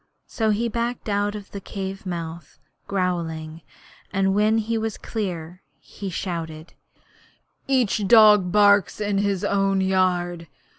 So he backed out of the cave mouth growling, and when he was clear he shouted: 'Each dog barks in his own yard!